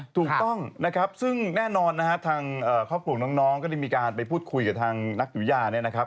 ถูกต้องนะครับซึ่งแน่นอนนะฮะทางครอบครัวของน้องก็ได้มีการไปพูดคุยกับทางนักวิยาเนี่ยนะครับ